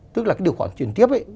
tức là điều khoản truyền tiếp ấy